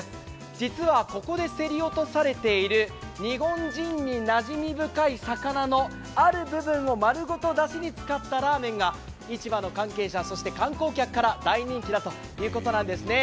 実はここで競り落とされている日本人になじみ深い魚のある部分をごとだしに使ったラーメンが市場の関係者そして観光客から大人気だということなんです。